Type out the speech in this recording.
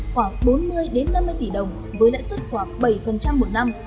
khoảng bốn mươi năm mươi tỷ đồng với lãi suất khoảng bảy một năm